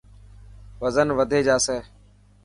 وزن وڌي جاسي.